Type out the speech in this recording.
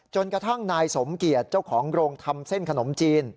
จนกระทั่งนายสมเกียจเจ้าของโรงทำเส้นขนมจีน